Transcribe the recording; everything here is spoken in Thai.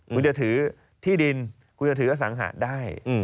คุณจะถือที่ดินคุณจะถืออสังหาได้